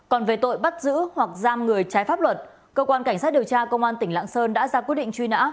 còn về tội bắt giữ hoặc giam người trái pháp luật cơ quan cảnh sát điều tra công an tỉnh lạng sơn đã ra quyết định truy nã